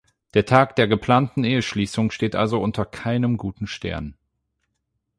Der Tag der geplanten Eheschließung steht also unter keinem guten Stern.